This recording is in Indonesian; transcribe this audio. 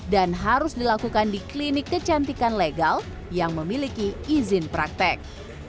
dan harus dilakukan di klinik kecantikan legal yang memiliki izin praktek